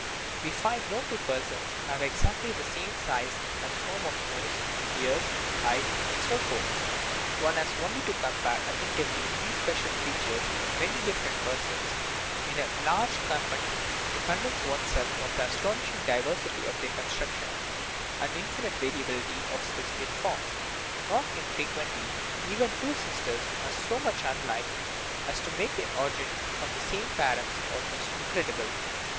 We find no two per sons who have exactly the same size and form of nose, ears, eyes, and so forth. One has only to compare at tentively these special features in many different per sons in any large company to convince one's self of the astonishing diversity of their construction and the in finite variability of specific forms. Not infrequently even two sisters are so much unlike as to make their origin from the same parents almost incredible.